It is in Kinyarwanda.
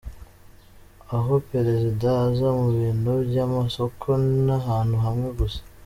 Aho perezida aza mu bintu by’amasoko, ni ahantu hamwe gusa.